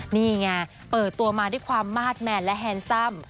นี่ไงเปิดตัวมาด้วยความมาสแมนและแฮนซัม